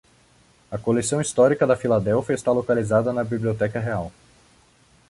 A coleção histórica da Filadélfia está localizada na Biblioteca Real.